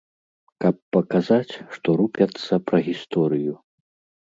Каб паказаць, што рупяцца пра гісторыю.